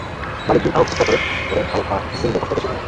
মালিক bin Awf চিৎকার করে করে হাওয়াযিনদের পশ্চাতে সরিয়ে নেয়।